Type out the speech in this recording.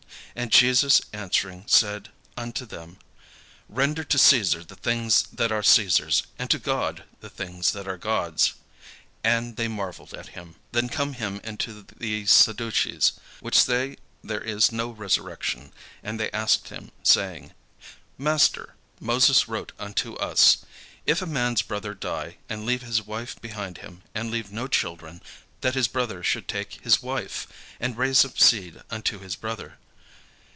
And Jesus answering said unto them: "Render to Caesar the things that are Caesar's, and to God the things that are God's." And they marvelled at him. Then come unto him the Sadducees, which say there is no resurrection; and they asked him, saying: "Master, Moses wrote unto us, 'If a man's brother die, and leave his wife behind him, and leave no children, that his brother should take his wife, and raise up seed unto his brother.'